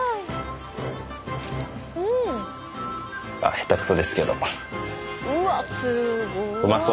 下手くそですけど。